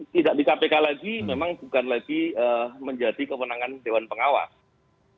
tidak di kpk lagi memang bukan lagi menjadi kewenangan dewan pengawas